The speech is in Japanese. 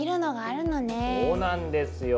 そうなんですよ。